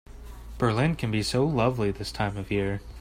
Berlin can be so lovely this time of year.